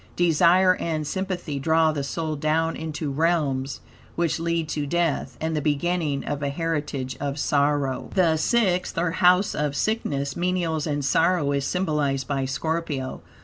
Desire and sympathy draw the soul down into realms which lead to death, and the beginning of a heritage of sorrow, The Sixth, or House of Sickness, Menials, and Sorrow, is symbolized by Scorpio.